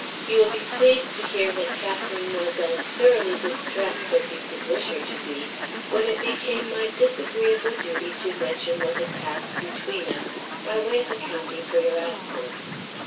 "You will be pleased to hear that Catherine was as thoroughly distressed as you could wish her to be, when it became my disagreeable duty to mention what had passed between us, by way of accounting for your absence.